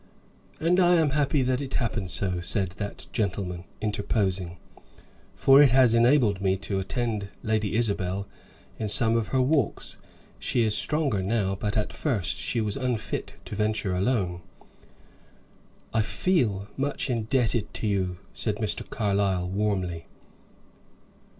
"And I am happy that it happened so," said that gentleman, interposing, "for it has enabled me to attend Lady Isabel in some of her walks. She is stronger now, but at first she was unfit to venture alone." "I feel much indebted to you," said Mr. Carlyle, warmly.